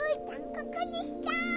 ここでした！